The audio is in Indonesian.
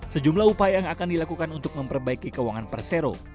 sejumlah upaya yang akan dilakukan untuk memperbaiki keuangan persero